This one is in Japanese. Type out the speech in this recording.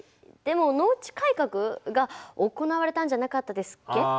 でも農地改革が行われたんじゃなかったですっけ？